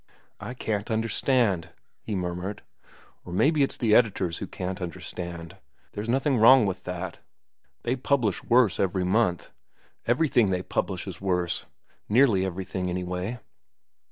"I can't understand," he murmured. "Or maybe it's the editors who can't understand. There's nothing wrong with that. They publish worse every month. Everything they publish is worse—nearly everything, anyway."